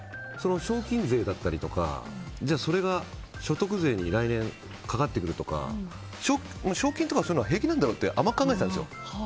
税だったりとかそれが所得税に来年かかってくるとか賞金とかそういうのは平気だろうって甘く考えてたんです。